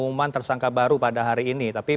pengumuman tersangka baru pada hari ini tapi